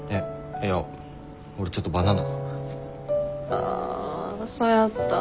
あそやった。